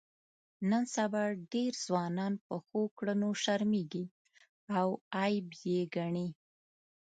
نن سبا ډېر ځوانان په ښو کړنو شرمېږي او عیب یې ګڼي.